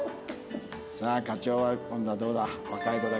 さあ課長は今度はどうだ？